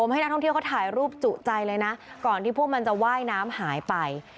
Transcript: ให้นักท่องเที่ยวเขาถ่ายรูปจุใจเลยนะก่อนที่พวกมันจะว่ายน้ำหายไป